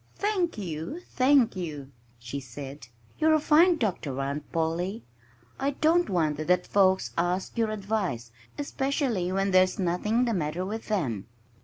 "Thank you! Thank you!" she said. "You're a fine doctor, Aunt Polly. I don't wonder that folks ask your advice especially when there's nothing the matter with them!"